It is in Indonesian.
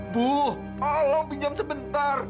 bu tolong pinjam sebentar